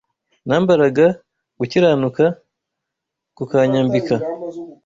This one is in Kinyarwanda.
Nambaraga gukiranuka, kukanyambika